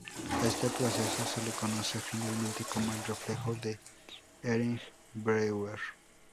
A este proceso se lo conoce finalmente como el reflejo de Hering-Breuer.